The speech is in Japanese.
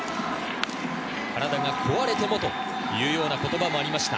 体が壊れてもという言葉もありました、